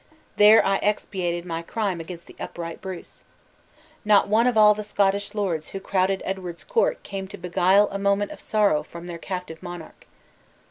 There I expiated my crime against the upright Bruce! Not one of all the Scottish lords who crowded Edward's court came to beguile a moment of sorrow from their captive monarch.